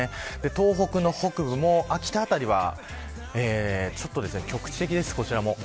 東北の北部も秋田辺りは局地的です、こちらも。